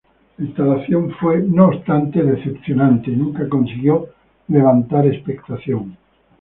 La instalación fue, no obstante, decepcionante, y nunca consiguió levantar expectación.